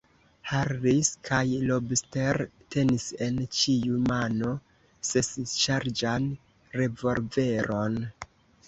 Harris kaj Lobster tenis en ĉiu mano sesŝargan revolveron.